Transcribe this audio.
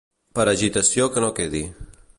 Per agitació que no quedi.